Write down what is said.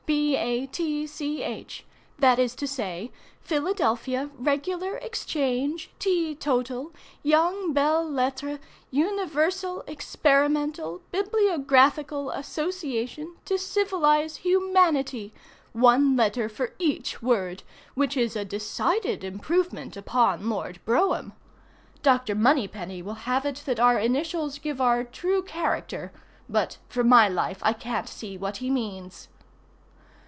B. A. T. C. H.—that is to say, Philadelphia, Regular, Exchange, Tea, Total, Young, Belles, Lettres, Universal, Experimental, Bibliographical, Association, To, Civilize, Humanity—one letter for each word, which is a decided improvement upon Lord Brougham. Dr. Moneypenny will have it that our initials give our true character—but for my life I can't see what he means.